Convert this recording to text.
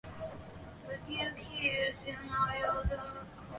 螳䗛是螳䗛目下的肉食性昆虫。